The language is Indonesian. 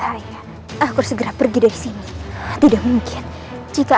hey busti sepertinya ada yang ikut campur urusan kita